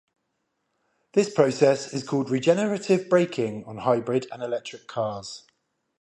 This process is called regenerative braking on hybrid and electric cars.